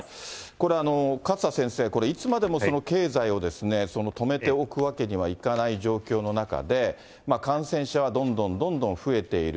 これ、勝田先生、これいつまでも経済を止めておくわけにはいかない状況の中で、感染者はどんどんどんどん増えている。